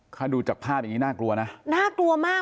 ถ้าดูจากภาพอย่างนี้น่ากลัวนะน่ากลัวมาก